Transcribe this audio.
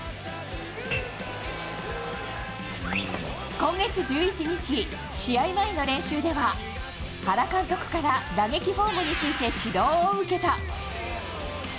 今月１１日、試合前の練習では原監督から打撃フォームについて指導を受けた。